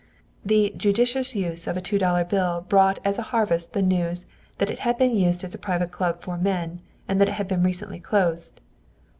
The judicious use of a two dollar bill brought as a harvest the news that it had been used as a private club for men and that it had been recently closed.